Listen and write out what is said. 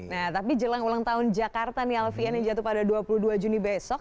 nah tapi jelang ulang tahun jakarta nih alfian yang jatuh pada dua puluh dua juni besok